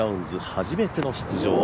初めての出場。